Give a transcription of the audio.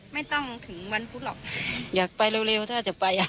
ไม่ต้องถึงวันพุธหรอกอยากไปเร็วถ้าจะไปอ่ะ